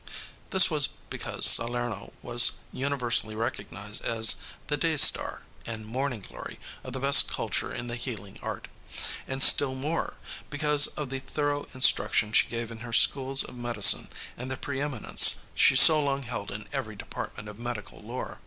" This was because Salerno was universally recognized as the "day star" and "morning glory" of the best culture in the healing art, and, still more, because of the thorough instruction she gave in her schools of medicine and the preëminence she so long held in every department of medical lore.